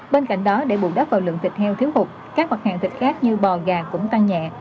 bên cạnh đó để bùn đất vào lượng thịt heo thiếu hụt các mặt hàng thịt khác như bò gà cũng tăng nhẹ